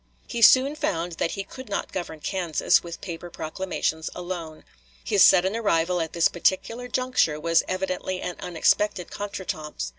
He soon found that he could not govern Kansas with paper proclamations alone. His sudden arrival at this particular juncture was evidently an unexpected contretemps.